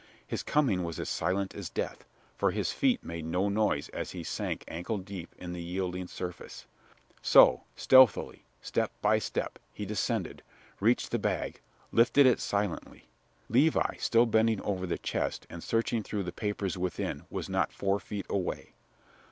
His coming was as silent as death, for his feet made no noise as he sank ankle deep in the yielding surface. So, stealthily, step by step, he descended, reached the bag, lifted it silently. Levi, still bending over the chest and searching through the papers within, was not four feet away.